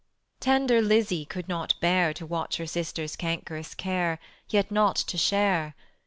Tender Lizzie could not bear To watch her sister's cankerous care, Yet not to share.